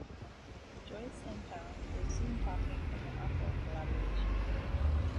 Joyce and Pound were soon talking of an opera collaboration.